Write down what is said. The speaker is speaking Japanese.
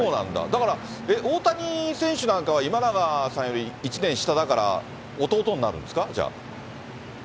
だから、大谷選手なんかは、今永さんより１年下だから、弟になるんですか、じゃあ。